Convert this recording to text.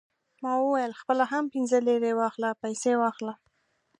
ما وویل: خپله هم پنځه لېرې واخله، پیسې واخله.